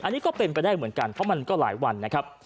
อันนี้ก็เป็นไปได้เหมือนกันเพราะมันก็หลายวันนะครับ